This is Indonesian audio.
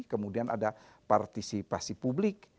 kemudian ada partisipasi publik